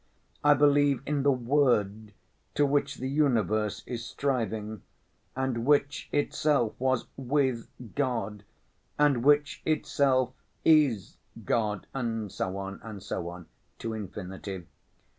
I believe in the Word to Which the universe is striving, and Which Itself was 'with God,' and Which Itself is God and so on, and so on, to infinity.